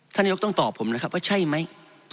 นายกต้องตอบผมนะครับว่าใช่ไหม